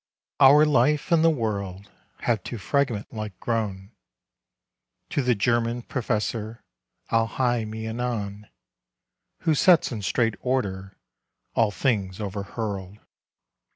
Our life and the world have too fragment like grown; To the German Professor I'll hie me anon Who sets in straight order all things overhurled.